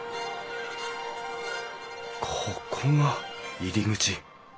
ここが入り口。